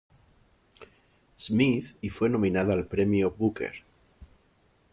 Smith y fue nominada al Premio Booker.